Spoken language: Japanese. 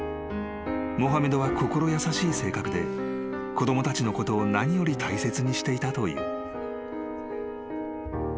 ［モハメドは心優しい性格で子供たちのことを何より大切にしていたという］